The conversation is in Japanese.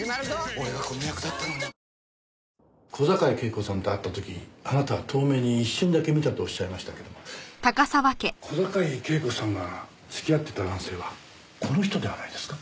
俺がこの役だったのに小坂井恵子さんと会った時あなたは遠目に一瞬だけ見たとおっしゃいましたけども小坂井恵子さんが付き合っていた男性はこの人ではないですか？